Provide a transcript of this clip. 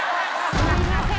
すいません